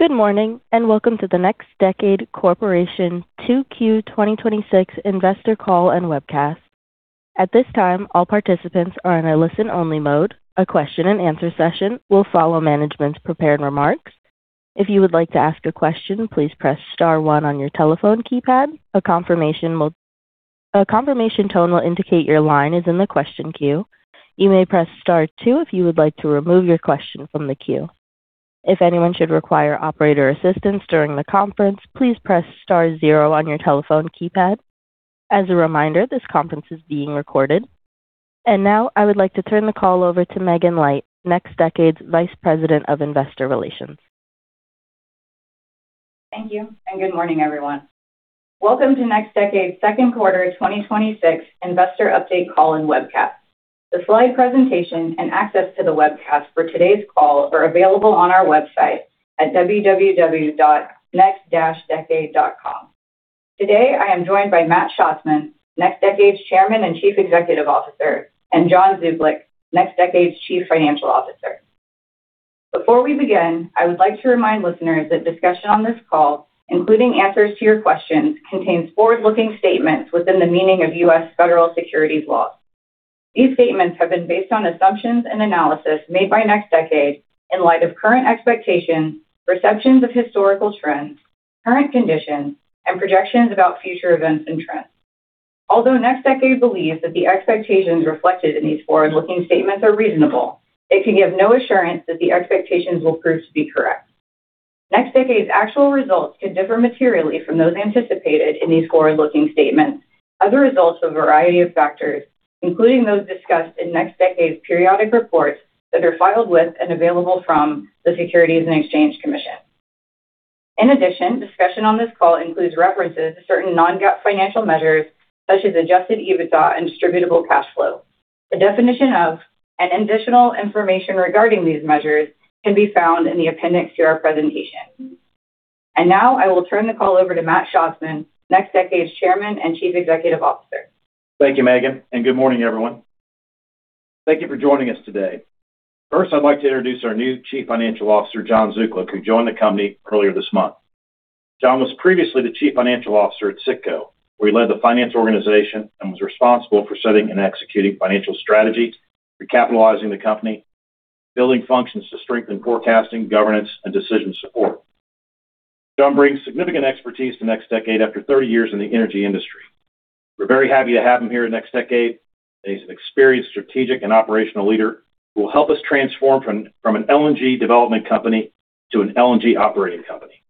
Good morning, and welcome to the NextDecade Corporation 2Q 2026 investor call and webcast. At this time, all participants are in a listen-only mode. A question-and-answer session will follow management's prepared remarks. If you would like to ask a question, please press star one on your telephone keypad. A confirmation tone will indicate your line is in the question queue. You may press star two if you would like to remove your question from the queue. If anyone should require operator assistance during the conference, please press star zero on your telephone keypad. As a reminder, this conference is being recorded. Now I would like to turn the call over to Megan Light, NextDecade's Vice President of Investor Relations. Thank you. Good morning, everyone. Welcome to NextDecade's second quarter 2026 investor update call and webcast. The slide presentation and access to the webcast for today's call are available on our website at www.next-decade.com. Today, I am joined by Matt Schatzman, NextDecade's Chairman and Chief Executive Officer, and John Zuklic, NextDecade's Chief Financial Officer. Before we begin, I would like to remind listeners that discussion on this call, including answers to your questions, contains forward-looking statements within the meaning of U.S. federal securities laws. These statements have been based on assumptions and analysis made by NextDecade in light of current expectations, perceptions of historical trends, current conditions, and projections about future events and trends. Although NextDecade believes that the expectations reflected in these forward-looking statements are reasonable, it can give no assurance that the expectations will prove to be correct. NextDecade's actual results could differ materially from those anticipated in these forward-looking statements as a result of a variety of factors, including those discussed in NextDecade's periodic reports that are filed with and available from the Securities and Exchange Commission. In addition, discussion on this call includes references to certain non-GAAP financial measures such as adjusted EBITDA and distributable cash flow. The definition of and additional information regarding these measures can be found in the appendix to our presentation. Now I will turn the call over to Matt Schatzman, NextDecade's Chairman and Chief Executive Officer. Thank you, Megan. Good morning, everyone. Thank you for joining us today. First, I'd like to introduce our new Chief Financial Officer, John Zuklic, who joined the company earlier this month. John was previously the Chief Financial Officer at Citgo, where he led the finance organization and was responsible for setting and executing financial strategy, recapitalizing the company, building functions to strengthen forecasting, governance, and decision support. John brings significant expertise to NextDecade after 30 years in the energy industry. We're very happy to have him here at NextDecade. He's an experienced strategic and operational leader who will help us transform from an LNG development company to an LNG operating company.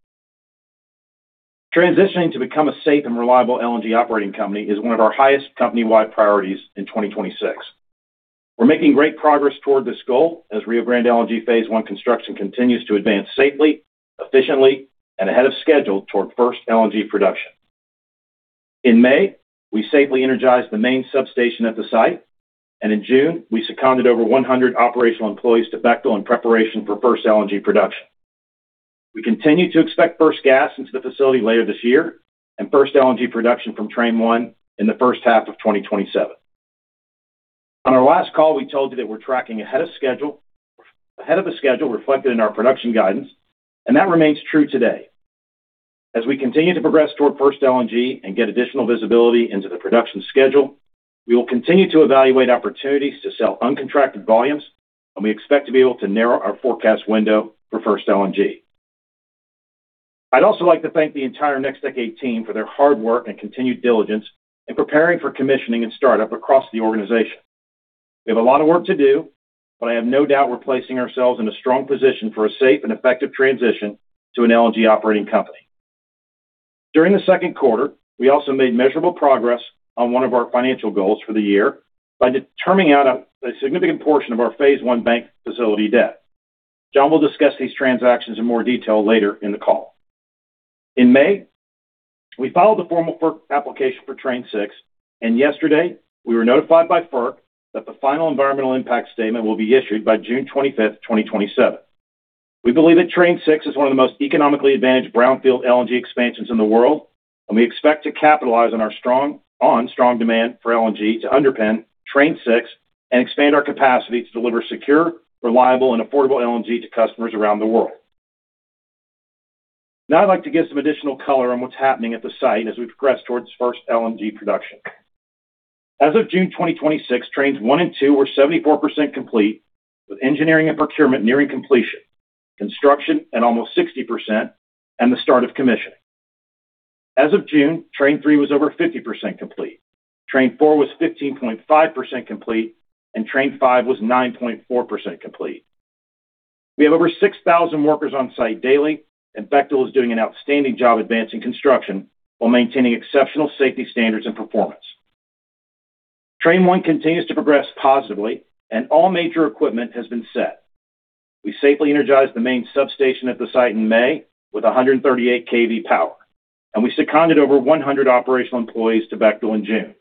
Transitioning to become a safe and reliable LNG operating company is one of our highest company-wide priorities in 2026. We're making great progress toward this goal as Rio Grande LNG Phase 1 construction continues to advance safely, efficiently, and ahead of schedule toward first LNG production. In May, we safely energized the main substation at the site, and in June, we seconded over 100 operational employees to Bechtel in preparation for first LNG production. We continue to expect first gas into the facility later this year, and first LNG production from Train 1 in the first half of 2027. On our last call, we told you that we're tracking ahead of the schedule reflected in our production guidance, and that remains true today. As we continue to progress toward first LNG and get additional visibility into the production schedule, we will continue to evaluate opportunities to sell uncontracted volumes, and we expect to be able to narrow our forecast window for first LNG. I'd also like to thank the entire NextDecade team for their hard work and continued diligence in preparing for commissioning and startup across the organization. We have a lot of work to do, but I have no doubt we're placing ourselves in a strong position for a safe and effective transition to an LNG operating company. During the second quarter, we also made measurable progress on one of our financial goals for the year by determining out a significant portion of our Phase 1 bank facility debt. John will discuss these transactions in more detail later in the call. In May, we filed the formal FERC application for Train 6. Yesterday we were notified by FERC that the final Environmental Impact Statement will be issued by June 25th, 2027. We believe that Train 6 is one of the most economically advantaged brownfield LNG expansions in the world, and we expect to capitalize on strong demand for LNG to underpin Train 6 and expand our capacity to deliver secure, reliable, and affordable LNG to customers around the world. Now I'd like to give some additional color on what's happening at the site as we progress towards first LNG production. As of June 2026, Trains 1 and 2 were 74% complete with engineering and procurement nearing completion, construction at almost 60%, and the start of commissioning. As of June, Train 3 was over 50% complete, Train 4 was 15.5% complete, and Train 5 was 9.4% complete. We have over 6,000 workers on site daily, and Bechtel is doing an outstanding job advancing construction while maintaining exceptional safety standards and performance. Train 1 continues to progress positively and all major equipment has been set. We safely energized the main substation at the site in May with 138 kV power, and we seconded over 100 operational employees to Bechtel in June.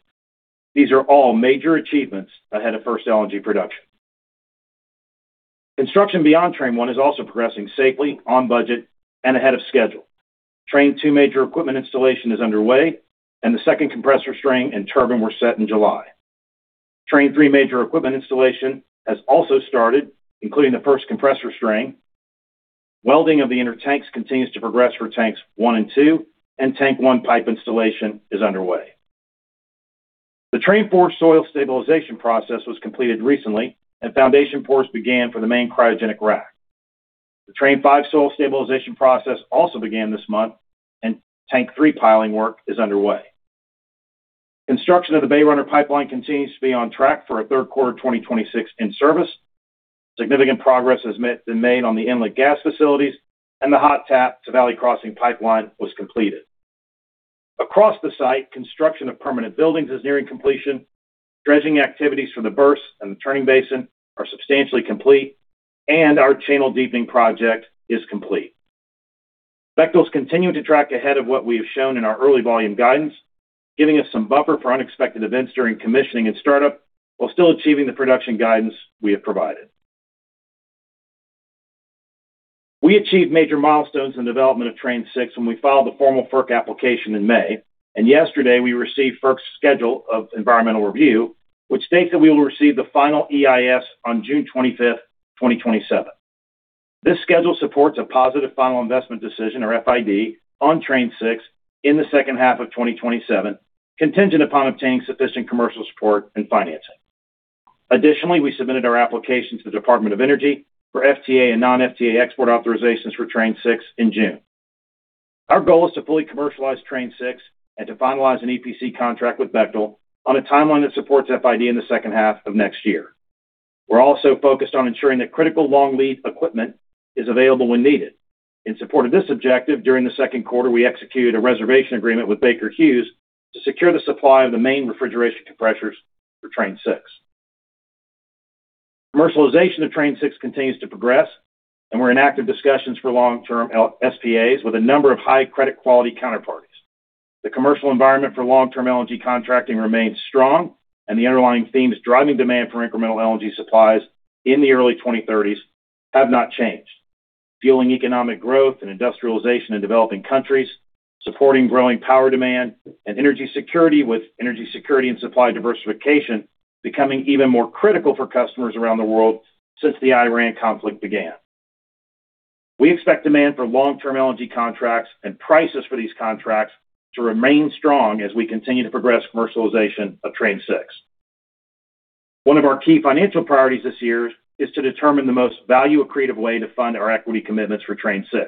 These are all major achievements ahead of first LNG production. Construction beyond Train 1 is also progressing safely, on budget, and ahead of schedule. Train 2 major equipment installation is underway, and the second compressor string and turbine were set in July. Train 3 major equipment installation has also started, including the first compressor string. Welding of the inner tanks continues to progress for Tanks 1 and 2, and Tank 1 pipe installation is underway. The Train 4 soil stabilization process was completed recently, and foundation pours began for the main cryogenic rack. The Train 5 soil stabilization process also began this month, and Tank 3 piling work is underway. Construction of the Bay Runner pipeline continues to be on track for a third quarter 2026 in-service. Significant progress has been made on the inlet gas facilities, and the hot tap to Valley Crossing Pipeline was completed. Across the site, construction of permanent buildings is nearing completion, dredging activities for the berth and the turning basin are substantially complete, and our channel deepening project is complete. Bechtel's continuing to track ahead of what we have shown in our early volume guidance, giving us some buffer for unexpected events during commissioning and startup, while still achieving the production guidance we have provided. We achieved major milestones in development of Train 6 when we filed the formal FERC application in May. Yesterday, we received FERC's schedule of environmental review, which states that we will receive the final EIS on June 25th, 2027. This schedule supports a positive final investment decision or FID on Train 6 in the second half of 2027, contingent upon obtaining sufficient commercial support and financing. Additionally, we submitted our application to the Department of Energy for FTA and non-FTA export authorizations for Train 6 in June. Our goal is to fully commercialize Train 6 and to finalize an EPC contract with Bechtel on a timeline that supports FID in the second half of next year. We're also focused on ensuring that critical long-lead equipment is available when needed. In support of this objective, during the second quarter, we executed a reservation agreement with Baker Hughes to secure the supply of the main refrigeration compressors for Train 6. Commercialization of Train 6 continues to progress, and we're in active discussions for long-term SPAs with a number of high credit quality counterparties. The commercial environment for long-term LNG contracting remains strong. The underlying themes driving demand for incremental LNG supplies in the early 2030s have not changed. Fueling economic growth and industrialization in developing countries, supporting growing power demand and energy security, with energy security and supply diversification becoming even more critical for customers around the world since the Iran conflict began. We expect demand for long-term LNG contracts and prices for these contracts to remain strong as we continue to progress commercialization of Train 6. One of our key financial priorities this year is to determine the most value-accretive way to fund our equity commitments for Train 6.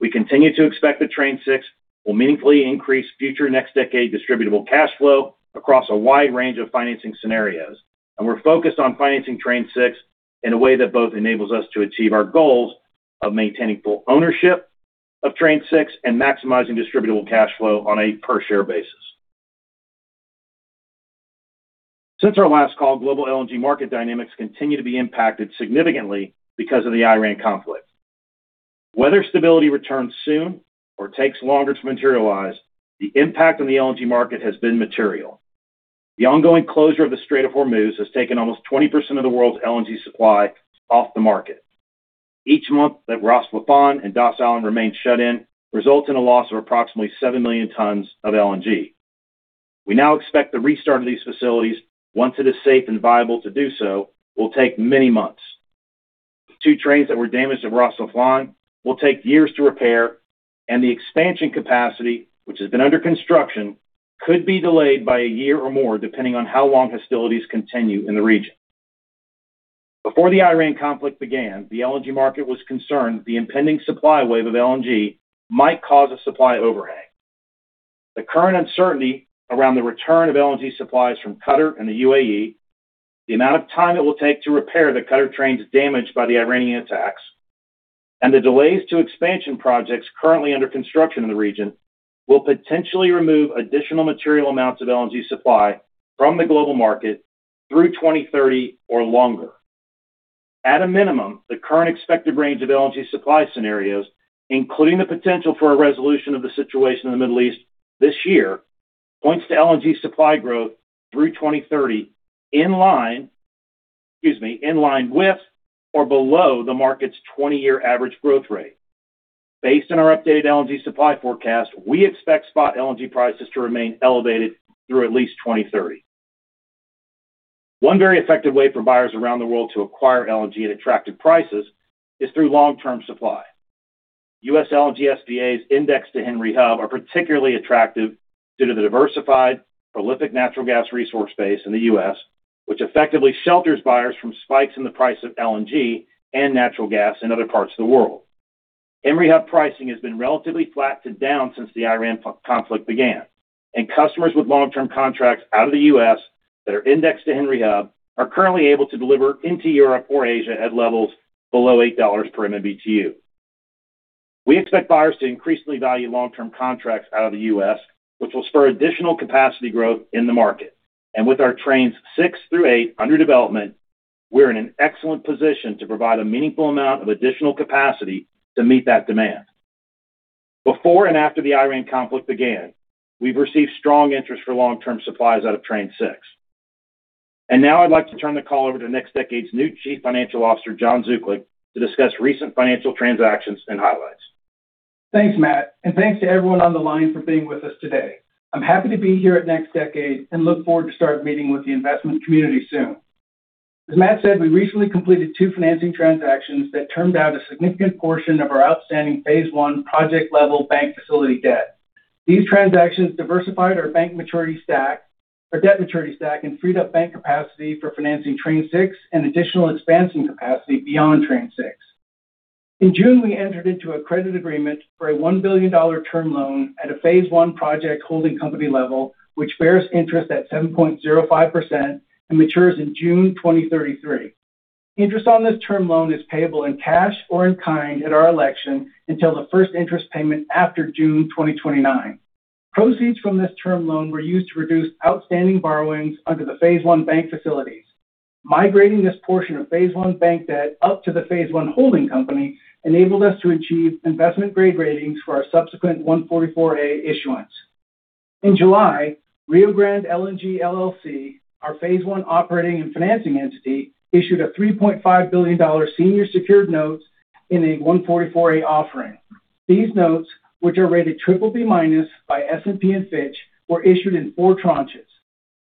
We continue to expect that Train 6 will meaningfully increase future NextDecade distributable cash flow across a wide range of financing scenarios. We're focused on financing Train 6 in a way that both enables us to achieve our goals of maintaining full ownership of Train 6 and maximizing distributable cash flow on a per-share basis. Since our last call, global LNG market dynamics continue to be impacted significantly because of the Iran conflict. Whether stability returns soon or takes longer to materialize, the impact on the LNG market has been material. The ongoing closure of the Strait of Hormuz has taken almost 20% of the world's LNG supply off the market. Each month that Ras Laffan and Das Island remain shut in results in a loss of approximately 7 million tons of LNG. We now expect the restart of these facilities, once it is safe and viable to do so, will take many months. The two trains that were damaged at Ras Laffan will take years to repair, and the expansion capacity, which has been under construction, could be delayed by a year or more, depending on how long hostilities continue in the region. Before the Iran conflict began, the LNG market was concerned the impending supply wave of LNG might cause a supply overhang. The current uncertainty around the return of LNG supplies from Qatar and the UAE, the amount of time it will take to repair the Qatar trains damaged by the Iranian attacks, and the delays to expansion projects currently under construction in the region will potentially remove additional material amounts of LNG supply from the global market through 2030 or longer. At a minimum, the current expected range of LNG supply scenarios, including the potential for a resolution of the situation in the Middle East this year, points to LNG supply growth through 2030 in line with or below the market's 20-year average growth rate. Based on our updated LNG supply forecast, we expect spot LNG prices to remain elevated through at least 2030. One very effective way for buyers around the world to acquire LNG at attractive prices is through long-term supply. U.S. LNG SPAs indexed to Henry Hub are particularly attractive due to the diversified, prolific natural gas resource base in the U.S., which effectively shelters buyers from spikes in the price of LNG and natural gas in other parts of the world. Henry Hub pricing has been relatively flat to down since the Iran conflict began. Customers with long-term contracts out of the U.S. that are indexed to Henry Hub are currently able to deliver into Europe or Asia at levels below $8 per MMBtu. We expect buyers to increasingly value long-term contracts out of the U.S., which will spur additional capacity growth in the market. With our Trains 6 through 8 under development, we're in an excellent position to provide a meaningful amount of additional capacity to meet that demand. Before and after the Iran conflict began, we've received strong interest for long-term supplies out of Train 6. Now I'd like to turn the call over to NextDecade's new Chief Financial Officer, John Zuklic, to discuss recent financial transactions and highlights. Thanks, Matt, and thanks to everyone on the line for being with us today. I'm happy to be here at NextDecade and look forward to start meeting with the investment community soon. As Matt said, we recently completed two financing transactions that termed out a significant portion of our outstanding Phase 1 project-level bank facility debt. These transactions diversified our bank maturity stack, our debt maturity stack, and freed up bank capacity for financing Train 6 and additional expansion capacity beyond Train 6. In June, we entered into a credit agreement for a $1 billion term loan at a Phase 1 project holding company level, which bears interest at 7.05% and matures in June 2033. Interest on this term loan is payable in cash or in kind at our election until the first interest payment after June 2029. Proceeds from this term loan were used to reduce outstanding borrowings under the Phase 1 bank facilities. Migrating this portion of Phase 1 bank debt up to the Phase 1 holding company enabled us to achieve investment-grade ratings for our subsequent 144A issuance. In July, Rio Grande LNG, LLC, our Phase 1 operating and financing entity, issued $3.5 billion senior secured notes in a 144A offering. These notes, which are rated BBB- by S&P and Fitch, were issued in four tranches: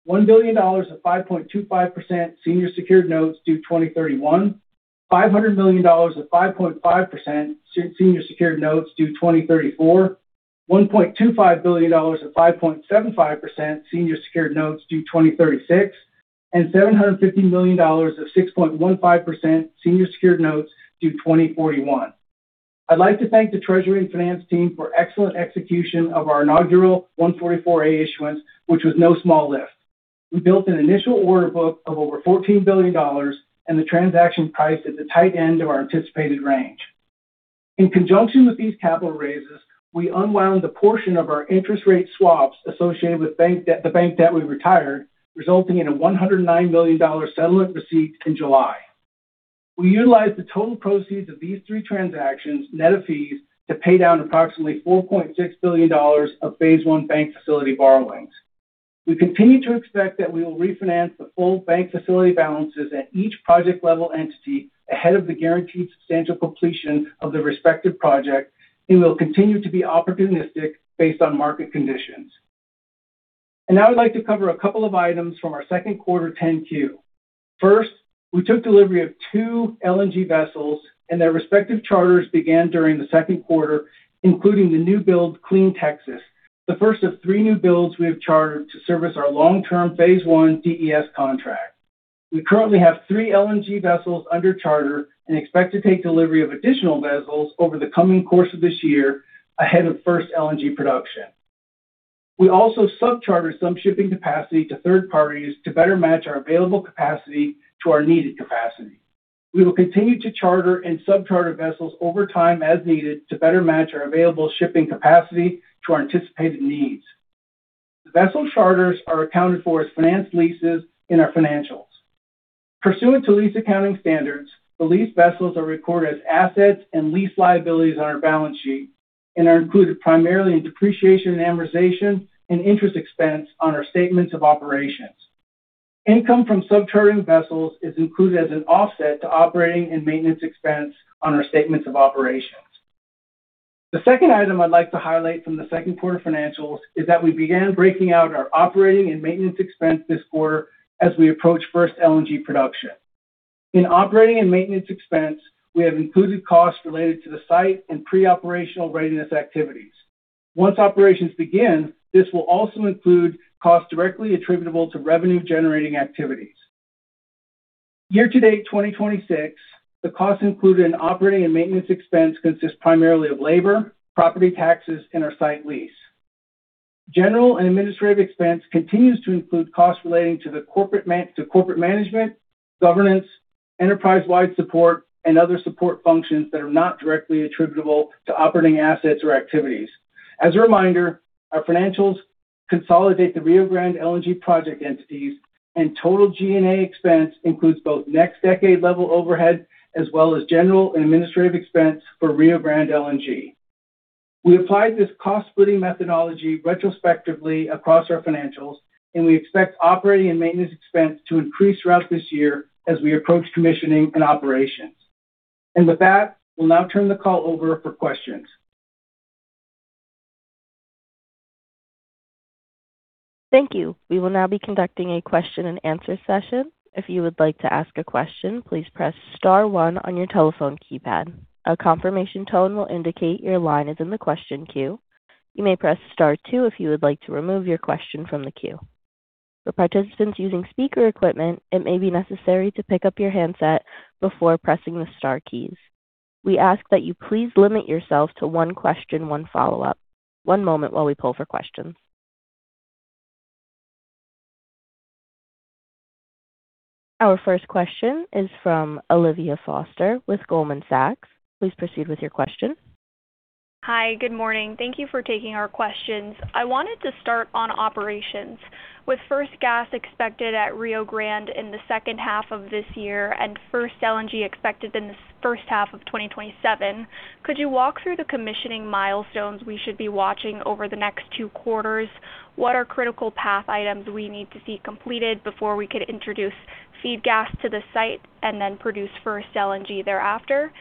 $1 billion of 5.25% senior secured notes due 2031, $500 million of 5.5% senior secured notes due 2034, $1.25 billion of 5.75% senior secured notes due 2036, and $750 million of 6.15% senior secured notes due 2041. I'd like to thank the treasury and finance team for excellent execution of our inaugural 144A issuance, which was no small lift. We built an initial order book of over $14 billion, and the transaction priced at the tight end of our anticipated range. In conjunction with these capital raises, we unwound a portion of our interest rate swaps associated with the bank debt we retired, resulting in a $109 million settlement receipt in July. We utilized the total proceeds of these three transactions, net of fees, to pay down approximately $4.6 billion of Phase 1 bank facility borrowings. We continue to expect that we will refinance the full bank facility balances at each project-level entity ahead of the guaranteed substantial completion of the respective project and will continue to be opportunistic based on market conditions. Now I'd like to cover a couple of items from our second quarter 10-Q. First, we took delivery of two LNG vessels and their respective charters began during the second quarter, including the new build Clean Texas, the first of three new builds we have chartered to service our long-term Phase 1 DES contract. We currently have three LNG vessels under charter and expect to take delivery of additional vessels over the coming course of this year ahead of first LNG production. We also sub-charter some shipping capacity to third parties to better match our available capacity to our needed capacity. We will continue to charter and sub-charter vessels over time as needed to better match our available shipping capacity to our anticipated needs. The vessel charters are accounted for as finance leases in our financials. Pursuant to lease accounting standards, the leased vessels are recorded as assets and lease liabilities on our balance sheet and are included primarily in depreciation and amortization and interest expense on our statements of operations. Income from sub-chartering vessels is included as an offset to operating and maintenance expense on our statements of operations. The second item I'd like to highlight from the second quarter financials is that we began breaking out our operating and maintenance expense this quarter as we approach first LNG production. In operating and maintenance expense, we have included costs related to the site and pre-operational readiness activities. Once operations begin, this will also include costs directly attributable to revenue-generating activities. Year-to-date 2026, the costs included in operating and maintenance expense consist primarily of labor, property taxes, and our site lease. General and administrative expense continues to include costs relating to corporate management, governance, enterprise-wide support, and other support functions that are not directly attributable to operating assets or activities. As a reminder, our financials consolidate the Rio Grande LNG project entities and total G&A expense includes both NextDecade-level overhead as well as general and administrative expense for Rio Grande LNG. We applied this cost-splitting methodology retrospectively across our financials, and we expect operating and maintenance expense to increase throughout this year as we approach commissioning and operations. With that, we'll now turn the call over for questions. Thank you. We will now be conducting a question and answer session. If you would like to ask a question, please press star one on your telephone keypad. A confirmation tone will indicate your line is in the question queue. You may press star two if you would like to remove your question from the queue. For participants using speaker equipment, it may be necessary to pick up your handset before pressing the star keys. We ask that you please limit yourself to one question, one follow-up. One moment while we pull for questions. Our first question is from Olivia Foster with Goldman Sachs. Please proceed with your question. Hi. Good morning. Thank you for taking our questions. I wanted to start on operations. With first gas expected at Rio Grande in the second half of this year and first LNG expected in the first half of 2027, could you walk through the commissioning milestones we should be watching over the next two quarters? What are critical path items we need to see completed before we could introduce feed gas to the site and then produce first LNG thereafter?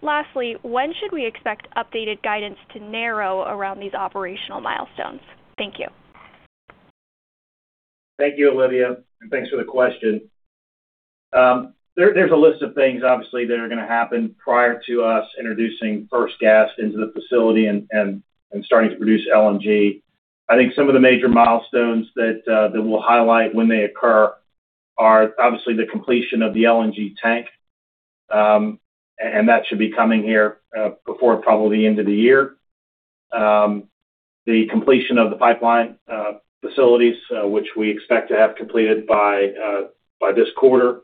Lastly, when should we expect updated guidance to narrow around these operational milestones? Thank you. Thank you, Olivia, and thanks for the question. There's a list of things, obviously, that are going to happen prior to us introducing first gas into the facility and starting to produce LNG. I think some of the major milestones that we'll highlight when they occur are obviously the completion of the LNG tank, and that should be coming here before probably the end of the year. The completion of the pipeline facilities, which we expect to have completed by this quarter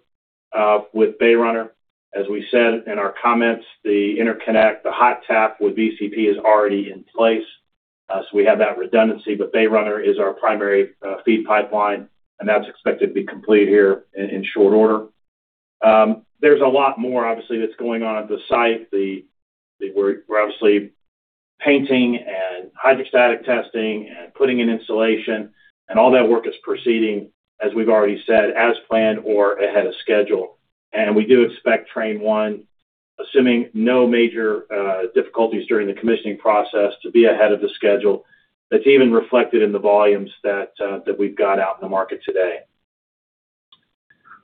with Bay Runner. As we said in our comments, the interconnect, the hot tap with VCP is already in place. We have that redundancy, but Bay Runner is our primary feed pipeline, and that's expected to be complete here in short order. There's a lot more, obviously, that's going on at the site. We're obviously painting and hydrostatic testing and putting in insulation, all that work is proceeding, as we've already said, as planned or ahead of schedule. We do expect Train 1, assuming no major difficulties during the commissioning process, to be ahead of the schedule. That's even reflected in the volumes that we've got out in the market today.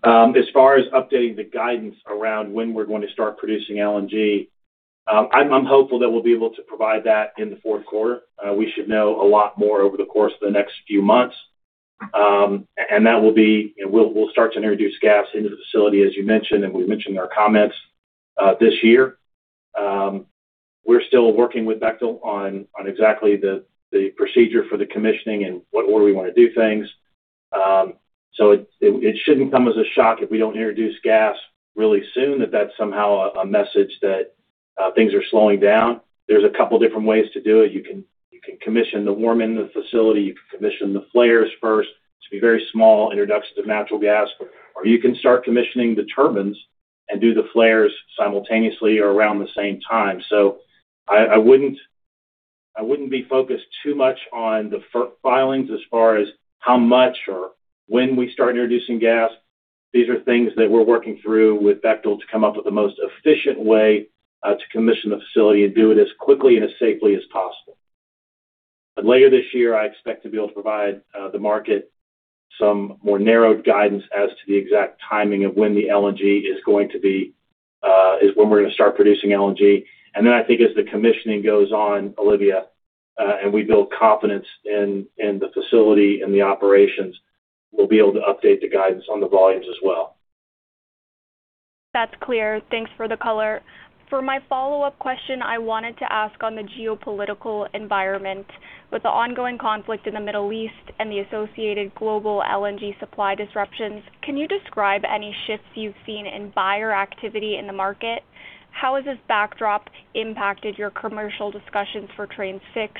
As far as updating the guidance around when we're going to start producing LNG, I'm hopeful that we'll be able to provide that in the fourth quarter. We should know a lot more over the course of the next few months. We'll start to introduce gas into the facility, as you mentioned, and we mentioned in our comments this year. We're still working with Bechtel on exactly the procedure for the commissioning and what order we want to do things. It shouldn't come as a shock if we don't introduce gas really soon that that's somehow a message that things are slowing down. There's a couple different ways to do it. You can commission the warm in the facility, you can commission the flares first to be very small introductions of natural gas, or you can start commissioning the turbines and do the flares simultaneously or around the same time. I wouldn't be focused too much on the filings as far as how much or when we start introducing gas. These are things that we're working through with Bechtel to come up with the most efficient way to commission the facility and do it as quickly and as safely as possible. Later this year, I expect to be able to provide the market some more narrowed guidance as to the exact timing of when we're going to start producing LNG. I think as the commissioning goes on, Olivia, and we build confidence in the facility and the operations, we'll be able to update the guidance on the volumes as well. That's clear. Thanks for the color. For my follow-up question, I wanted to ask on the geopolitical environment. With the ongoing conflict in the Middle East and the associated global LNG supply disruptions, can you describe any shifts you've seen in buyer activity in the market? How has this backdrop impacted your commercial discussions for Train 6?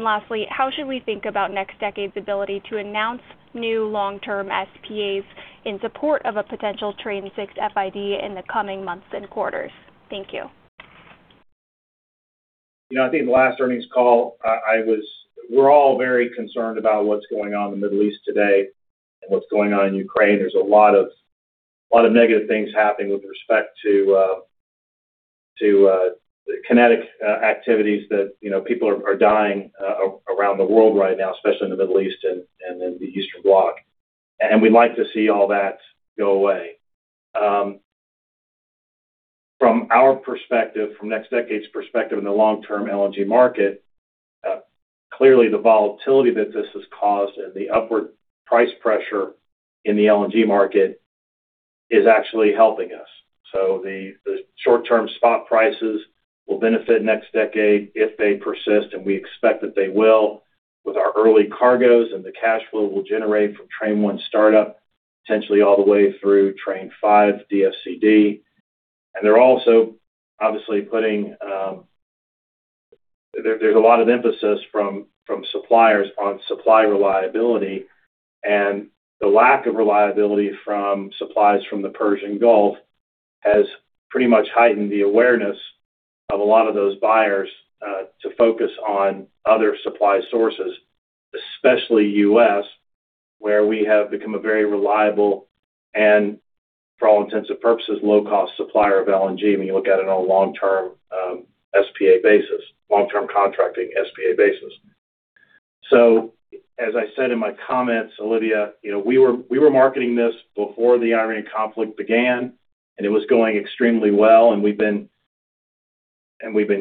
Lastly, how should we think about NextDecade's ability to announce new long-term SPAs in support of a potential Train 6 FID in the coming months and quarters? Thank you. I think the last earnings call, we're all very concerned about what's going on in the Middle East today and what's going on in Ukraine. There's a lot of negative things happening with respect to kinetic activities that people are dying around the world right now, especially in the Middle East and in the Eastern bloc. We'd like to see all that go away. From our perspective, from NextDecade's perspective in the long-term LNG market, clearly the volatility that this has caused and the upward price pressure in the LNG market is actually helping us. The short-term spot prices will benefit NextDecade if they persist, and we expect that they will with our early cargoes and the cash flow we'll generate from Train 1 startup, potentially all the way through Train 5 DFCD. There's a lot of emphasis from suppliers on supply reliability, and the lack of reliability from supplies from the Persian Gulf has pretty much heightened the awareness of a lot of those buyers to focus on other supply sources, especially U.S., where we have become a very reliable and, for all intents and purposes, low-cost supplier of LNG when you look at it on a long-term contracting SPA basis. As I said in my comments, Olivia, we were marketing this before the Iran conflict began, and it was going extremely well, and we've been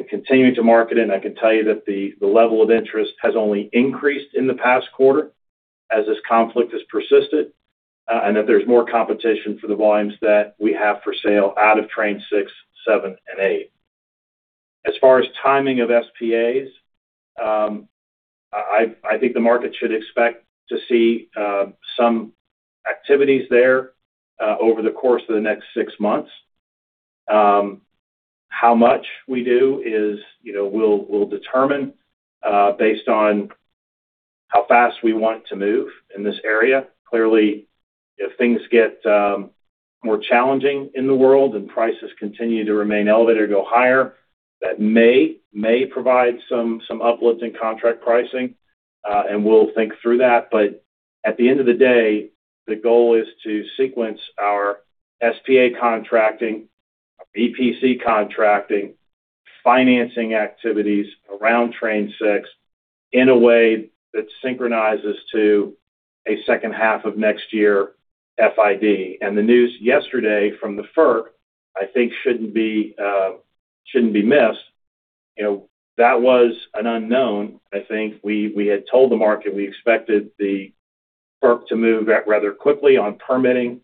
continuing to market it, and I can tell you that the level of interest has only increased in the past quarter as this conflict has persisted, and that there's more competition for the volumes that we have for sale out of Train 6, 7, and 8. As far as timing of SPAs, I think the market should expect to see some activities there over the course of the next six months. How much we do we'll determine based on how fast we want to move in this area. Clearly, if things get more challenging in the world and prices continue to remain elevated or go higher, that may provide some uplifts in contract pricing, and we'll think through that. But at the end of the day, the goal is to sequence our SPA contracting, EPC contracting financing activities around Train 6 in a way that synchronizes to a second half of next year FID. The news yesterday from the FERC, I think shouldn't be missed. That was an unknown. I think we had told the market we expected the FERC to move rather quickly on permitting,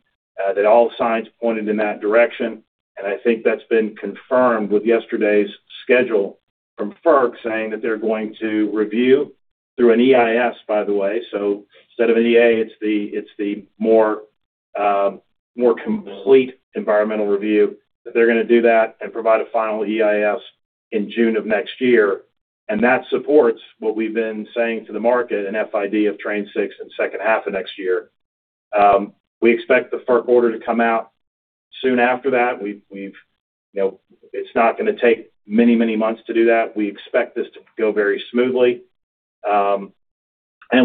that all signs pointed in that direction, and I think that's been confirmed with yesterday's schedule from FERC saying that they're going to review through an EIS, by the way. Instead of an EA, it's the more complete environmental review. They're going to do that and provide a final EIS in June of next year. That supports what we've been saying to the market, an FID of Train 6 in second half of next year. We expect the FERC order to come out soon after that. It's not going to take many months to do that. We expect this to go very smoothly.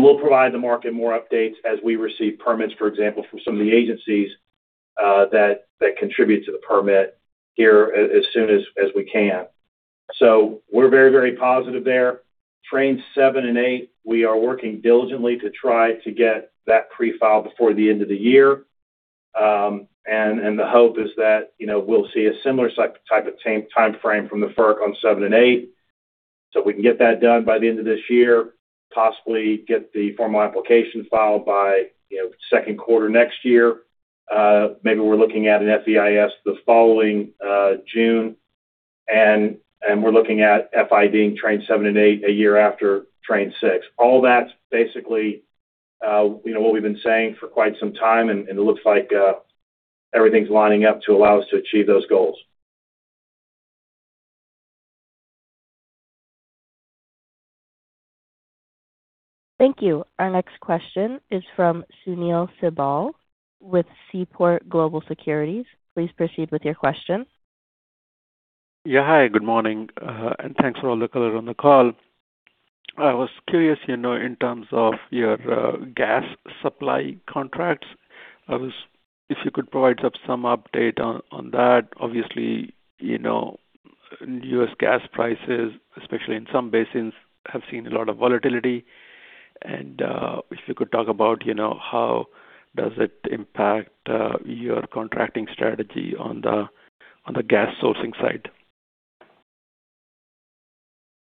We'll provide the market more updates as we receive permits, for example, from some of the agencies that contribute to the permit here as soon as we can. We're very positive there. Train 7 and 8, we are working diligently to try to get that pre-file before the end of the year. The hope is that we'll see a similar type of timeframe from the FERC on 7 and 8. We can get that done by the end of this year, possibly get the formal application filed by second quarter next year. Maybe we're looking at an FEIS the following June, and we're looking at FID-ing Train 7 and 8 a year after Train 6. All that's basically what we've been saying for quite some time, and it looks like everything's lining up to allow us to achieve those goals. Thank you. Our next question is from Sunil Sibal with Seaport Global Securities. Please proceed with your question. Yeah. Hi, good morning. Thanks for all the color on the call. I was curious, in terms of your gas supply contracts, if you could provide some update on that. Obviously, U.S. gas prices, especially in some basins, have seen a lot of volatility. If you could talk about how does it impact your contracting strategy on the gas sourcing side?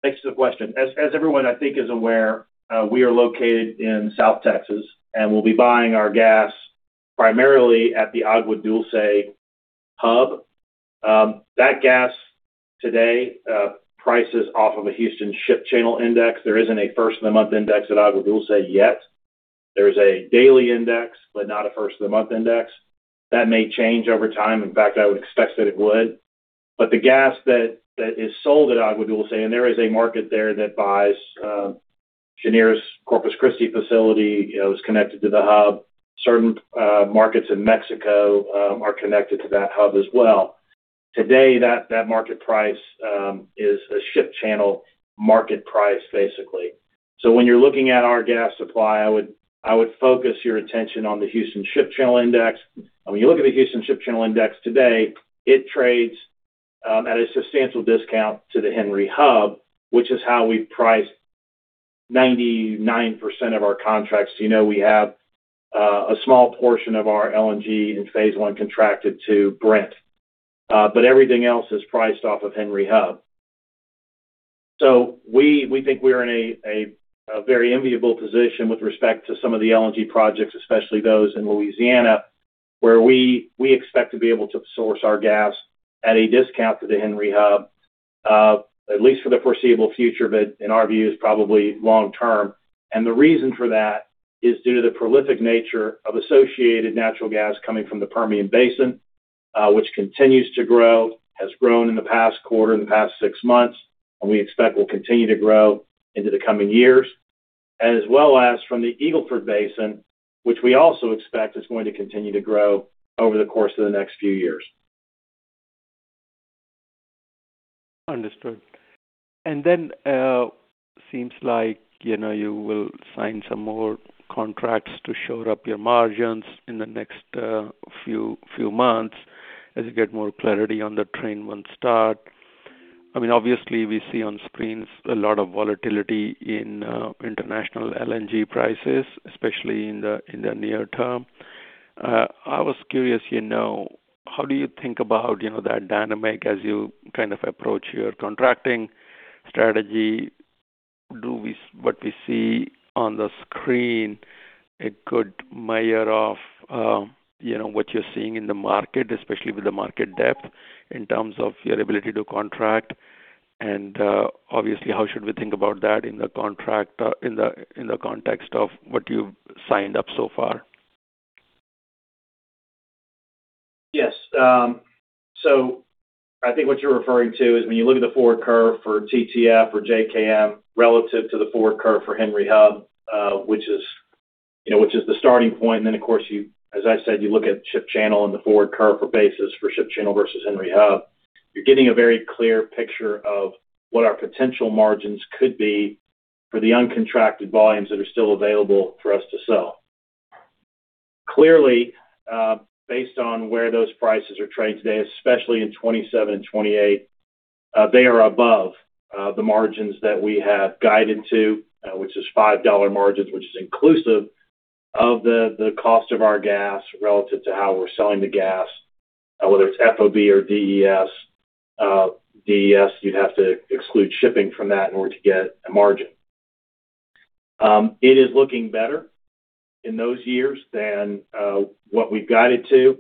Thanks for the question. As everyone, I think is aware, we are located in South Texas, and we'll be buying our gas primarily at the Agua Dulce hub. That gas today prices off of a Houston Ship Channel index. There isn't a first-of-the-month index at Agua Dulce yet. There is a daily index, but not a first-of-the-month index. That may change over time. In fact, I would expect that it would. The gas that is sold at Agua Dulce, and there is a market there that buys Cheniere's Corpus Christi facility, is connected to the hub. Certain markets in Mexico are connected to that hub as well. Today, that market price is a Ship Channel market price, basically. When you're looking at our gas supply, I would focus your attention on the Houston Ship Channel Index. When you look at the Houston Ship Channel Index today, it trades at a substantial discount to the Henry Hub, which is how we price 99% of our contracts. We have a small portion of our LNG in Phase 1 contracted to Brent. Everything else is priced off of Henry Hub. We think we're in a very enviable position with respect to some of the LNG projects, especially those in Louisiana, where we expect to be able to source our gas at a discount to the Henry Hub, at least for the foreseeable future, but in our view, is probably long-term. The reason for that is due to the prolific nature of associated natural gas coming from the Permian Basin, which continues to grow, has grown in the past quarter, in the past six months, and we expect will continue to grow into the coming years. As well as from the Eagle Ford Basin, which we also expect is going to continue to grow over the course of the next few years. Understood. Seems like you will sign some more contracts to shore up your margins in the next few months as you get more clarity on the Train 1 start. Obviously, we see on screens a lot of volatility in international LNG prices, especially in the near-term. I was curious, how do you think about that dynamic as you approach your contracting strategy? What we see on the screen a good measure of what you're seeing in the market, especially with the market depth in terms of your ability to contract, and obviously, how should we think about that in the context of what you've signed up so far? Yes. I think what you're referring to is when you look at the forward curve for TTF or JKM relative to the forward curve for Henry Hub which is the starting point, of course, as I said, you look at Ship Channel and the forward curve for basis for Ship Channel versus Henry Hub. You're getting a very clear picture of what our potential margins could be for the uncontracted volumes that are still available for us to sell. Clearly, based on where those prices are trading today, especially in 2027 and 2028, they are above the margins that we have guided to, which is $5 margins, which is inclusive of the cost of our gas relative to how we're selling the gas, whether it's FOB or DES. DES, you'd have to exclude shipping from that in order to get a margin. It is looking better in those years than what we've guided to.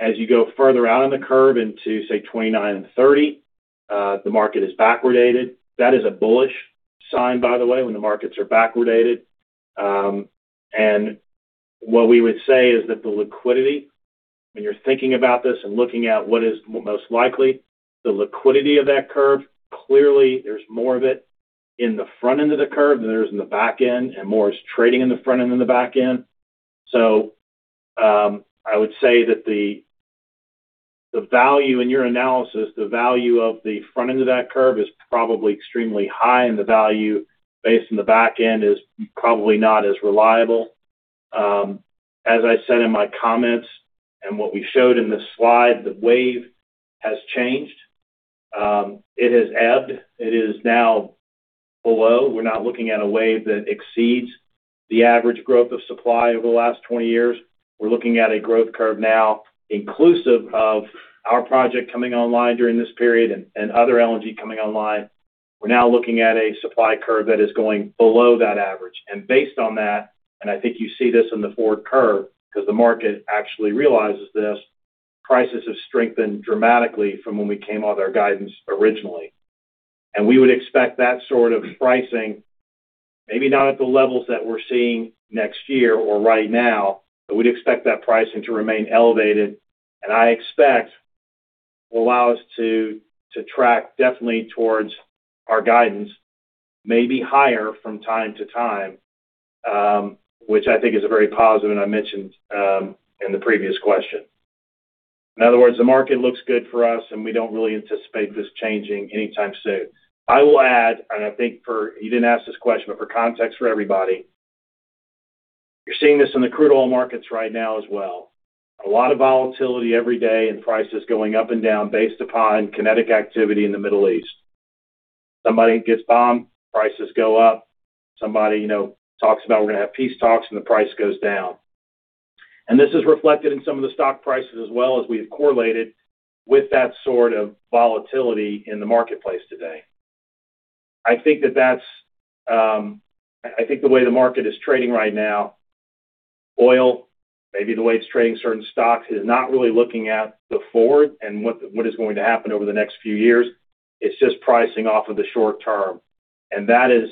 As you go further out on the curve into, say, 2029 and 2030, the market is backwardated. That is a bullish sign, by the way, when the markets are backwardated. What we would say is that the liquidity, when you're thinking about this and looking at what is most likely, the liquidity of that curve, clearly, there's more of it in the front end of the curve than there is in the back end, and more is trading in the front end than the back end. I would say that the value in your analysis, the value of the front end of that curve is probably extremely high, and the value based on the back end is probably not as reliable. As I said in my comments and what we showed in this slide, the wave has changed. It has ebbed. It is now below. We're not looking at a wave that exceeds the average growth of supply over the last 20 years. We're looking at a growth curve now inclusive of our project coming online during this period and other LNG coming online. We're now looking at a supply curve that is going below that average. Based on that, and I think you see this in the forward curve because the market actually realizes this, prices have strengthened dramatically from when we came out with our guidance originally. We would expect that sort of pricing, maybe not at the levels that we're seeing next year or right now, but we'd expect that pricing to remain elevated, and I expect will allow us to track definitely towards our guidance, maybe higher from time to time, which I think is very positive, and I mentioned in the previous question. In other words, the market looks good for us, and we don't really anticipate this changing anytime soon. I will add, You didn't ask this question, but for context for everybody, you're seeing this in the crude oil markets right now as well. A lot of volatility every day and prices going up and down based upon kinetic activity in the Middle East. Somebody gets bombed, prices go up. Somebody talks about we're going to have peace talks, and the price goes down. This is reflected in some of the stock prices as well as we have correlated with that sort of volatility in the marketplace today. I think the way the market is trading right now, oil, maybe the way it's trading certain stocks, is not really looking at the forward and what is going to happen over the next few years. It's just pricing off of the short term. That is,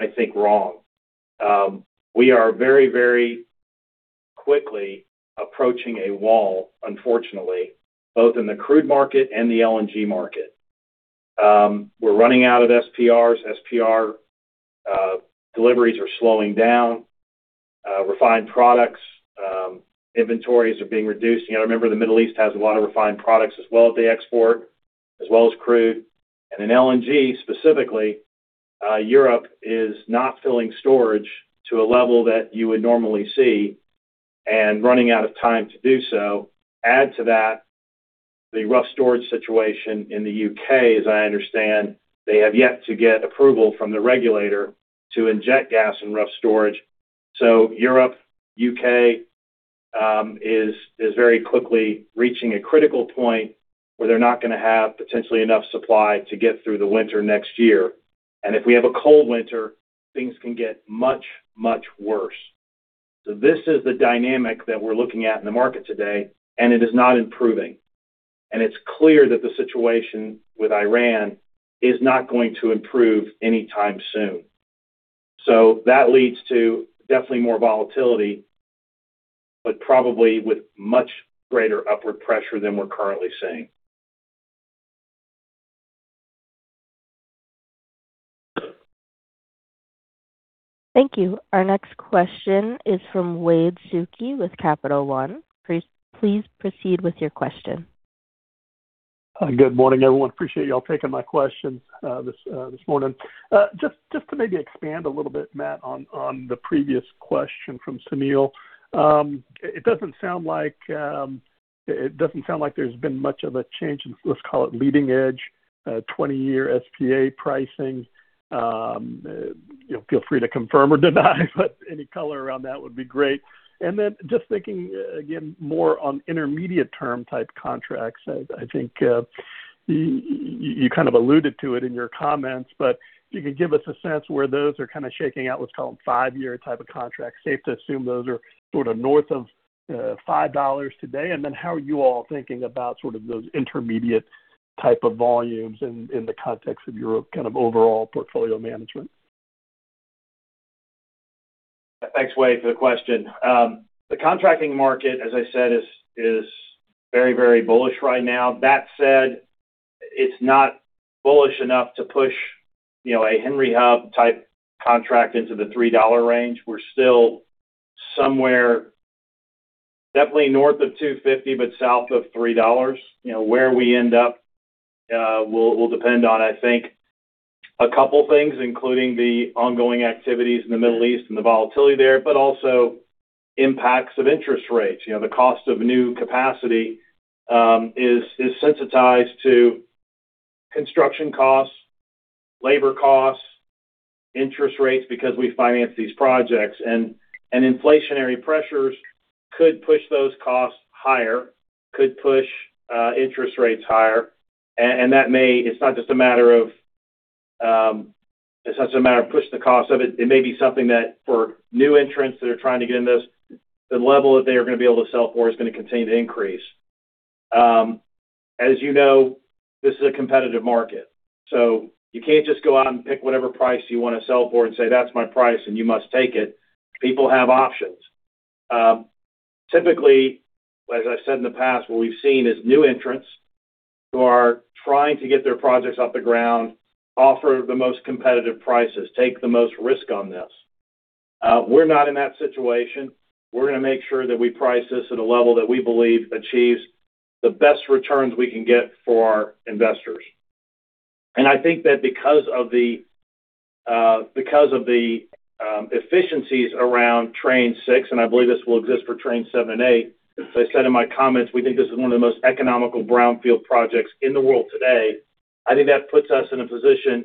I think, wrong. We are very, very quickly approaching a wall, unfortunately, both in the crude market and the LNG market. We're running out of SPRs. SPR deliveries are slowing down. Refined products inventories are being reduced. Remember, the Middle East has a lot of refined products as well that they export, as well as crude. In LNG specifically, Europe is not filling storage to a level that you would normally see and running out of time to do so. Add to that the Rough storage situation in the U.K. As I understand, they have yet to get approval from the regulator to inject gas in Rough storage. Europe, U.K. is very quickly reaching a critical point where they're not going to have potentially enough supply to get through the winter next year. If we have a cold winter, things can get much, much worse. This is the dynamic that we're looking at in the market today, and it is not improving. It's clear that the situation with Iran is not going to improve anytime soon. That leads to definitely more volatility, but probably with much greater upward pressure than we're currently seeing. Thank you. Our next question is from Wade Suki with Capital One. Please proceed with your question. Good morning, everyone. Appreciate y'all taking my questions this morning. Maybe expand a little bit, Matt, on the previous question from Sunil. It doesn't sound like there's been much of a change in, let's call it leading edge, 20-year SPA pricing. Feel free to confirm or deny, but any color around that would be great. Thinking, again, more on intermediate term type contracts. I think you kind of alluded to it in your comments, but if you could give us a sense where those are kind of shaking out, let's call them five-year type of contracts. Safe to assume those are sort of north of $5 today? How are you all thinking about those intermediate type of volumes in the context of your kind of overall portfolio management? Thanks, Wade, for the question. The contracting market, as I said, is very, very bullish right now. That said, it's not bullish enough to push a Henry Hub type contract into the $3 range. We're still somewhere definitely north of $2.50, but south of $3. Where we end up will depend on, I think a couple of things, including the ongoing activities in the Middle East and the volatility there, but also impacts of interest rates. The cost of new capacity is sensitized to construction costs, labor costs, interest rates because we finance these projects. Inflationary pressures could push those costs higher, could push interest rates higher. It's not just a matter of pushing the cost of it. It may be something that for new entrants that are trying to get in this, the level that they are going to be able to sell for is going to continue to increase. As you know, this is a competitive market, you can't just go out and pick whatever price you want to sell for and say, "That's my price, and you must take it." People have options. Typically, as I've said in the past, what we've seen is new entrants who are trying to get their projects off the ground offer the most competitive prices, take the most risk on this. We're not in that situation. We're going to make sure that we price this at a level that we believe achieves the best returns we can get for our investors. I think that because of the efficiencies around Train 6, I believe this will exist for Train 7 and 8, as I said in my comments, we think this is one of the most economical brownfield projects in the world today. I think that puts us in a position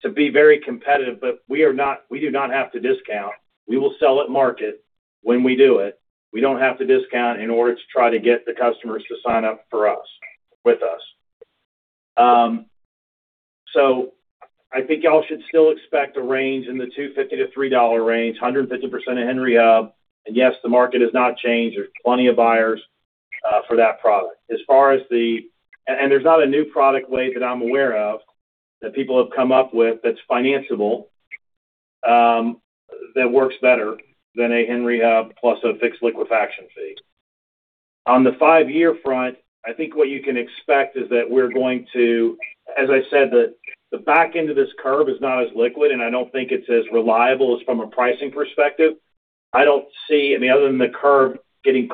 to be very competitive, we do not have to discount. We will sell at market when we do it. We don't have to discount in order to try to get the customers to sign up with us. I think you all should still expect a range in the $2.50-$3 range, 115% of Henry Hub. Yes, the market has not changed. There's plenty of buyers for that product. There's not a new product way that I'm aware of that people have come up with that's financiable, that works better than a Henry Hub plus a fixed liquefaction fee. On the five-year front, I think what you can expect is that, as I said, the back end of this curve is not as liquid, I don't think it's as reliable as from a pricing perspective. I don't see any other than the curve getting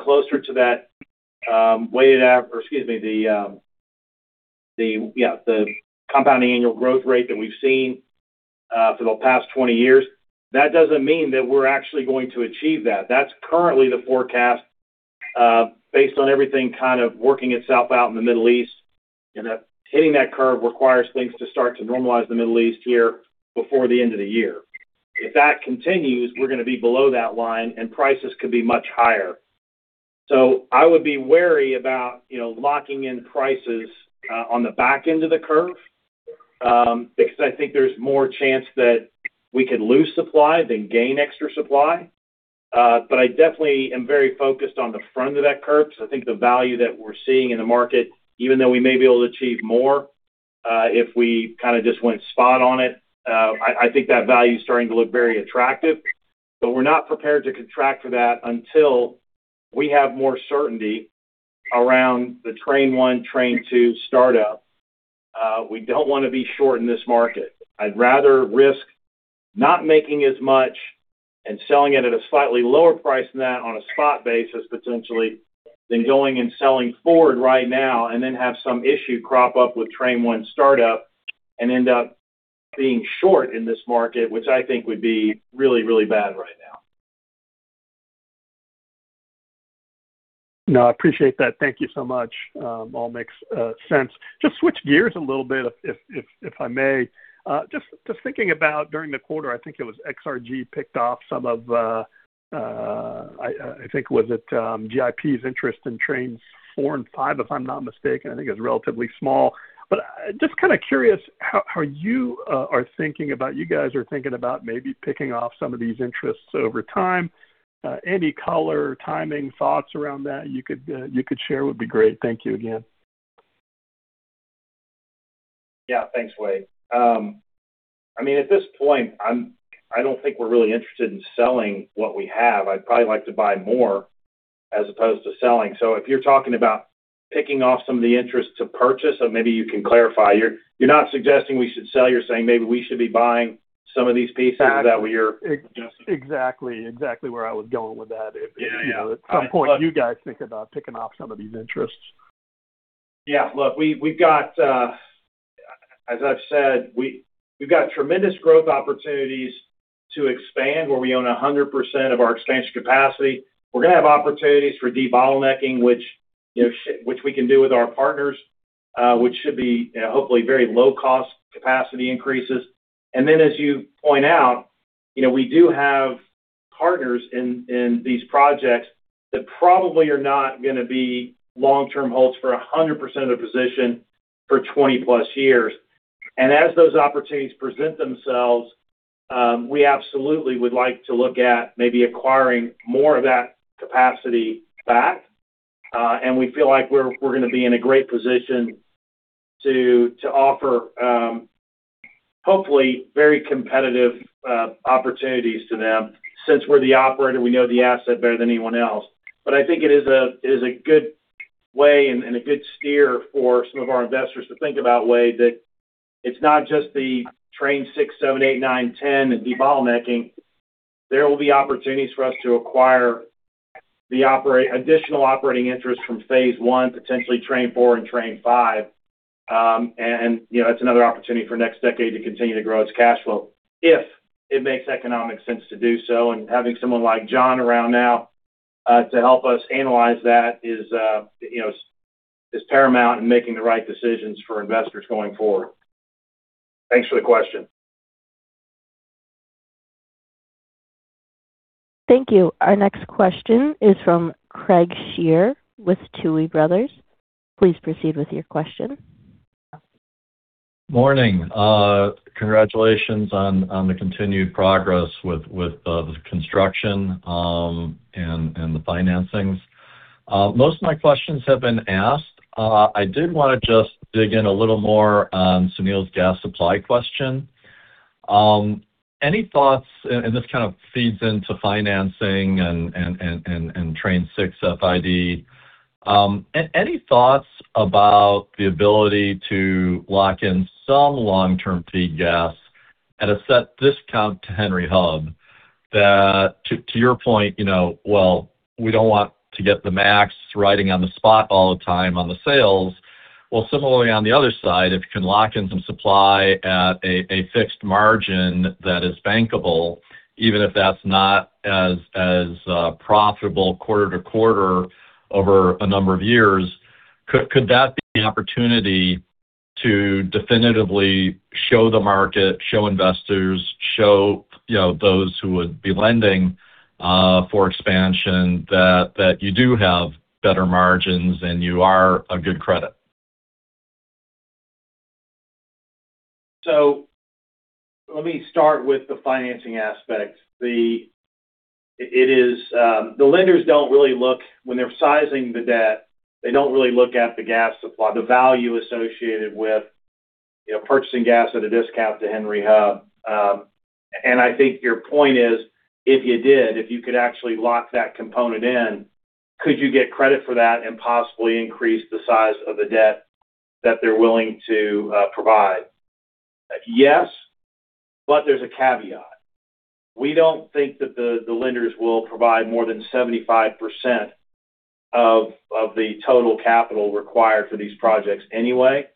closer to the compounding annual growth rate that we've seen for the past 20 years. That doesn't mean that we're actually going to achieve that. That's currently the forecast based on everything kind of working itself out in the Middle East. Hitting that curve requires things to start to normalize in the Middle East here before the end of the year. If that continues, we're going to be below that line, prices could be much higher. I would be wary about locking in prices on the back end of the curve, because I think there's more chance that we could lose supply than gain extra supply. I definitely am very focused on the front of that curve because I think the value that we're seeing in the market, even though we may be able to achieve more if we kind of just went spot on it, I think that value is starting to look very attractive. We're not prepared to contract for that until we have more certainty around the Train 1, Train 2 startup. We don't want to be short in this market. I'd rather risk not making as much and selling it at a slightly lower price than that on a spot basis potentially than going and selling forward right now and then have some issue crop up with Train 1 startup and end up being short in this market, which I think would be really bad right now. No, I appreciate that. Thank you so much. All makes sense. Just switch gears a little bit, if I may. Just thinking about during the quarter, I think it was XRG picked off some of GIP's interest in Trains 4 and 5, if I'm not mistaken. I think it was relatively small. Just kind of curious how you guys are thinking about maybe picking off some of these interests over time. Any color, timing, thoughts around that you could share would be great. Thank you again. Yeah. Thanks, Wade. At this point, I don't think we're really interested in selling what we have. I'd probably like to buy more as opposed to selling. If you're talking about picking off some of the interest to purchase, so maybe you can clarify. You're not suggesting we should sell, you're saying maybe we should be buying some of these pieces? Is that what you're suggesting? Exactly where I was going with that. Yeah. At some point, you guys think about picking off some of these interests. Yeah. As I've said, we've got tremendous growth opportunities to expand where we own 100% of our expansion capacity. We're going to have opportunities for debottlenecking, which we can do with our partners which should be hopefully very low cost capacity increases. Then as you point out, we do have partners in these projects that probably are not going to be long-term holds for 100% of the position for 20+ years. As those opportunities present themselves, we absolutely would like to look at maybe acquiring more of that capacity back. We feel like we're going to be in a great position to offer hopefully very competitive opportunities to them. Since we're the operator, we know the asset better than anyone else. I think it is a good way and a good steer for some of our investors to think about, Wade, that it's not just the Train 6, 7, 8, 9, 10, and debottlenecking. There will be opportunities for us to acquire the additional operating interest from Phase 1, potentially Train 4 and Train 5. It's another opportunity for NextDecade to continue to grow its cash flow if it makes economic sense to do so. Having someone like John around now to help us analyze that is paramount in making the right decisions for investors going forward. Thanks for the question. Thank you. Our next question is from Craig Shere with Tuohy Brothers. Please proceed with your question. Morning. Congratulations on the continued progress with the construction and the financings. Most of my questions have been asked. I did want to just dig in a little more on Sunil's gas supply question. Any thoughts, and this kind of feeds into financing and Train 6 FID. Any thoughts about the ability to lock in some long-term feed gas at a set discount to Henry Hub? That to your point, well, we don't want to get the max riding on the spot all the time on the sales. Similarly on the other side, if you can lock in some supply at a fixed margin that is bankable, even if that's not as profitable quarter-to-quarter over a number of years, could that be an opportunity to definitively show the market, show investors, show those who would be lending for expansion that you do have better margins and you are a good credit? Let me start with the financing aspect. The lenders don't really look when they're sizing the debt, they don't really look at the gas supply, the value associated with purchasing gas at a discount to Henry Hub. I think your point is, if you did, if you could actually lock that component in, could you get credit for that and possibly increase the size of the debt that they're willing to provide? Yes, but there's a caveat. We don't think that the lenders will provide more than 75% of the total capital required for these projects anyway.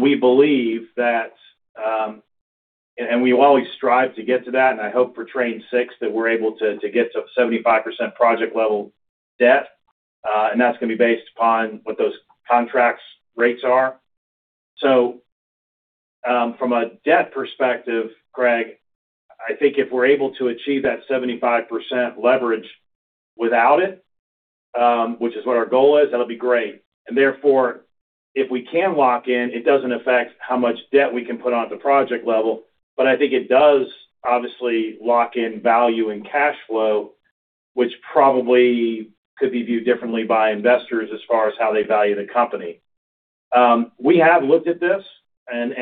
We believe that, and we always strive to get to that, and I hope for Train 6 that we're able to get to 75% project-level debt. That's going to be based upon what those contracts rates are. From a debt perspective, Craig, I think if we're able to achieve that 75% leverage without it, which is what our goal is, that'll be great. Therefore, if we can lock in, it doesn't affect how much debt we can put on at the project-level. I think it does obviously lock in value and cash flow, which probably could be viewed differently by investors as far as how they value the company. We have looked at this,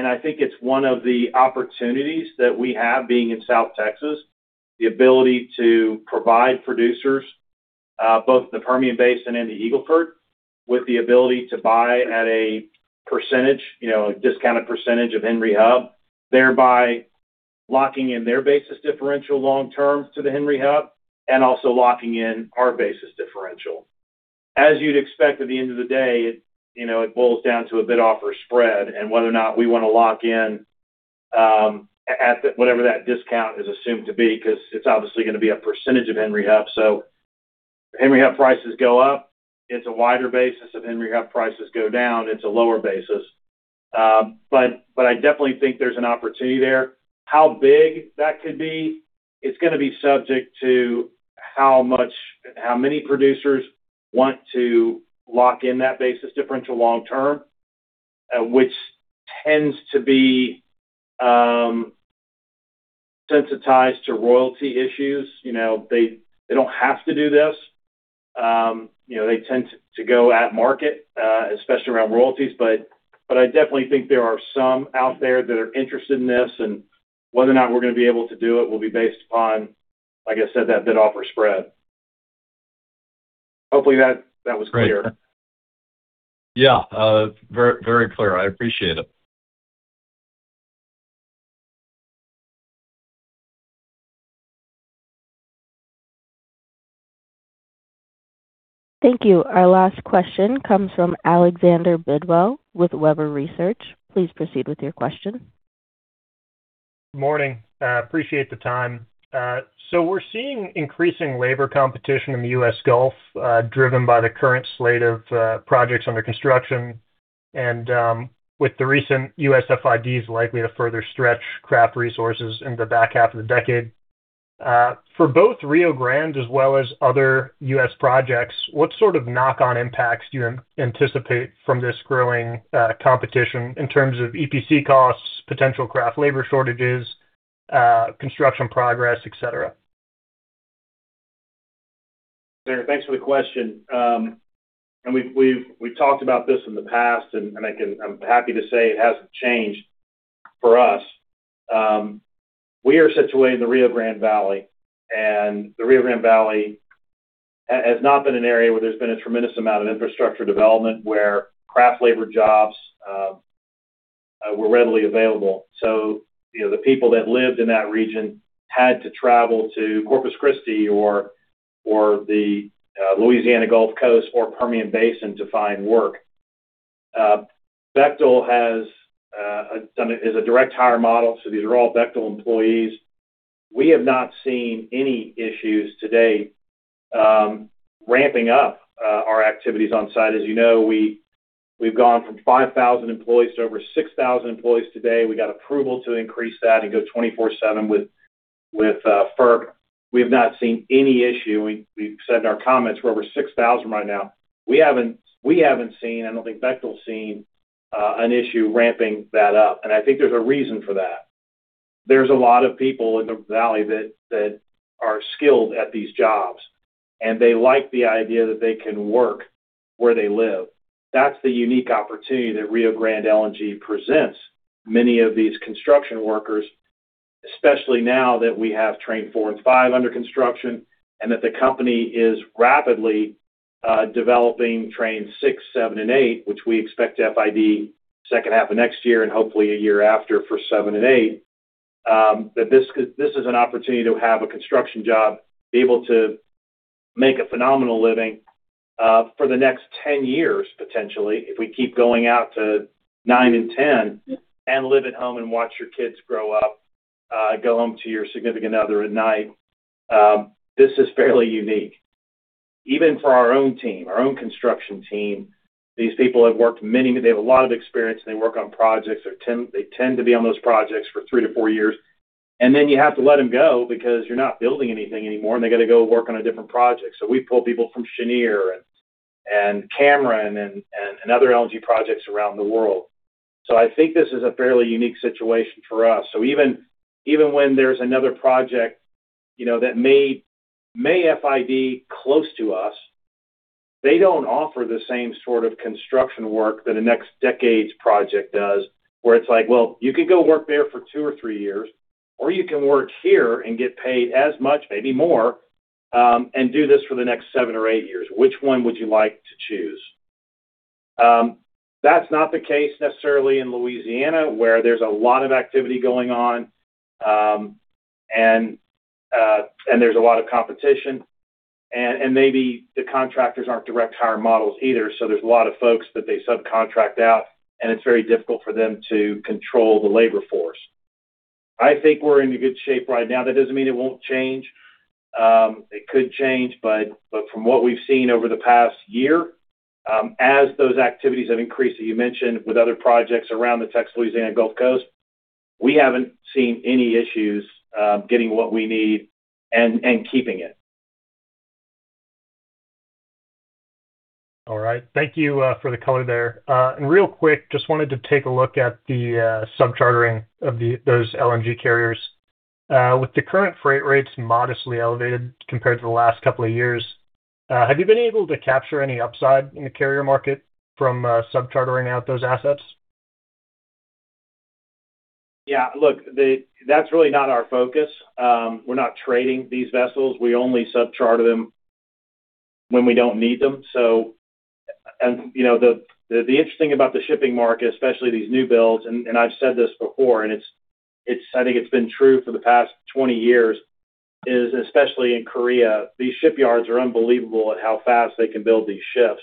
I think it's one of the opportunities that we have being in South Texas, the ability to provide producers, both the Permian Basin and the Eagle Ford, with the ability to buy at a percentage, a discounted percentage of Henry Hub, thereby locking in their basis differential long term to the Henry Hub and also locking in our basis differential. As you'd expect, at the end of the day, it boils down to a bid-offer spread and whether or not we want to lock in at whatever that discount is assumed to be, because it's obviously going to be a percentage of Henry Hub. Henry Hub prices go up, it's a wider basis. If Henry Hub prices go down, it's a lower basis. I definitely think there's an opportunity there. How big that could be, it's going to be subject to how many producers want to lock in that basis differential long term, which tends to be sensitized to royalty issues. They don't have to do this. They tend to go at market, especially around royalties. I definitely think there are some out there that are interested in this. Whether or not we're going to be able to do it will be based upon, like I said, that bid-offer spread. Hopefully that was clear. Yeah. Very clear. I appreciate it. Thank you. Our last question comes from Alexander Bidwell with Webber Research. Please proceed with your question. Morning. Appreciate the time. We're seeing increasing labor competition in the U.S. Gulf, driven by the current slate of projects under construction. With the recent U.S. FIDs likely to further stretch craft resources in the back half of the decade. For both Rio Grande as well as other U.S. projects, what sort of knock-on impacts do you anticipate from this growing competition in terms of EPC costs, potential craft labor shortages, construction progress, et cetera? Thanks for the question. We've talked about this in the past, and I'm happy to say it hasn't changed for us. We are situated in the Rio Grande Valley, and the Rio Grande Valley has not been an area where there's been a tremendous amount of infrastructure development where craft labor jobs were readily available. The people that lived in that region had to travel to Corpus Christi or the Louisiana Gulf Coast or Permian Basin to find work. Bechtel is a direct hire model, these are all Bechtel employees. We have not seen any issues today ramping up our activities on site. As you know, we've gone from 5,000 employees to over 6,000 employees today. We got approval to increase that and go 24/7 with FERC. We have not seen any issue. We've said in our comments we're over 6,000 right now. We haven't seen, I don't think Bechtel's seen, an issue ramping that up, and I think there's a reason for that. There's a lot of people in the Valley that are skilled at these jobs, and they like the idea that they can work where they live. That's the unique opportunity that Rio Grande LNG presents. Many of these construction workers, especially now that we have Train 4 and 5 under construction, and that the company is rapidly developing Trains 6, 7, and 8, which we expect to FID second half of next year and hopefully a year after for 7 and 8. That this is an opportunity to have a construction job, be able to make a phenomenal living for the next 10 years, potentially, if we keep going out to 9 and 10, and live at home and watch your kids grow up, go home to your significant other at night. This is fairly unique. Even for our own team, our own construction team. These people have worked, they have a lot of experience, and they work on projects. They tend to be on those projects for three to four years, and then you have to let them go because you're not building anything anymore, and they got to go work on a different project. We pull people from Cheniere and Cameron and other LNG projects around the world. I think this is a fairly unique situation for us. Even when there's another project that may FID close to us, they don't offer the same sort of construction work that a NextDecade's project does, where it's like, well, you could go work there for two or three years, or you can work here and get paid as much, maybe more, and do this for the next seven or eight years. Which one would you like to choose? That's not the case necessarily in Louisiana, where there's a lot of activity going on, and there's a lot of competition. Maybe the contractors aren't direct hire models either, so there's a lot of folks that they subcontract out, and it's very difficult for them to control the labor force. I think we're in a good shape right now. That doesn't mean it won't change. It could change. From what we've seen over the past year, as those activities have increased that you mentioned with other projects around the Texas-Louisiana Gulf Coast, we haven't seen any issues getting what we need and keeping it. All right. Thank you for the color there. Real quick, just wanted to take a look at the sub-chartering of those LNG carriers. With the current freight rates modestly elevated compared to the last couple of years, have you been able to capture any upside in the carrier market from sub-chartering out those assets? Yeah. Look, that's really not our focus. We're not trading these vessels. We only sub-charter them when we don't need them. The interesting about the shipping market, especially these new builds, and I've said this before and I think it's been true for the past 20 years, is especially in Korea, these shipyards are unbelievable at how fast they can build these ships.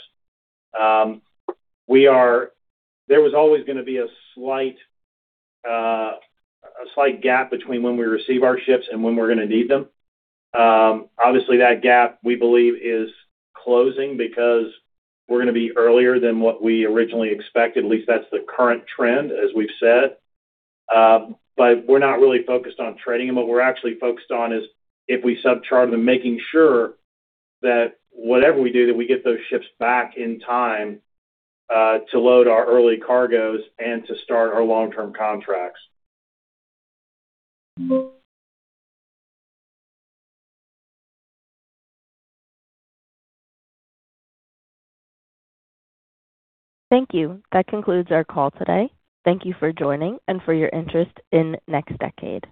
There was always going to be a slight gap between when we receive our ships and when we're going to need them. Obviously, that gap, we believe, is closing because we're going to be earlier than what we originally expected. At least that's the current trend, as we've said. We're not really focused on trading them. What we're actually focused on is if we sub-charter them, making sure that whatever we do, that we get those ships back in time to load our early cargoes and to start our long-term contracts. Thank you. That concludes our call today. Thank you for joining and for your interest in NextDecade.